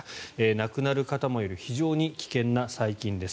亡くなる方もいる非常に危険な細菌です。